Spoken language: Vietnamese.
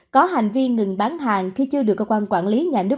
có hành vi ngừng bán hàng khi chưa được cơ quan quản lý nhà nước